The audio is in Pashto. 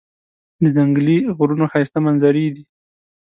د ځنګلي غرونو ښایسته منظرې دي.